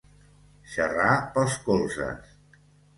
Xerrar pels colzes.